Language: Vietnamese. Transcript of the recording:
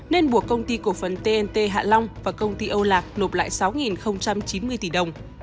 nên buộc công ty cổ phần tnt hạ long và công ty âu lạc nộp lại sáu chín mươi tỷ đồng